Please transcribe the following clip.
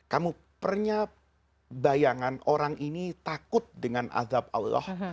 kamu pernya bayangan orang ini takut dengan azab allah